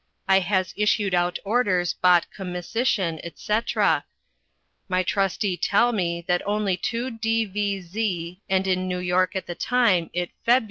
I has issued out orders bot comisition &c my trustee tell me that only two D V z and in New York at the time it Feby.